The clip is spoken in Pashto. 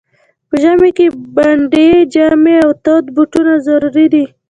په ژمي کي پنډي جامې او تاوده بوټونه ضرور دي.